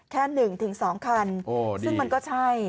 แค่๑๒คันซึ่งมันก็ใช่